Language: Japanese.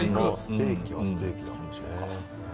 ステーキはステーキだからね。